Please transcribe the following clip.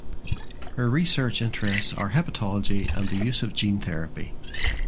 Her research interests are hepatology and the use of gene therapy.